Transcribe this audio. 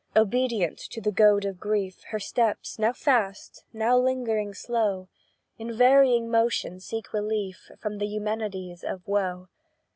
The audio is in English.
Obedient to the goad of grief, Her steps, now fast, now lingering slow, In varying motion seek relief From the Eumenides of woe.